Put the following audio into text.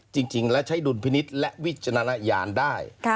จริงแล้วใช้ดุลพินิษฐ์และวิจารณญาณได้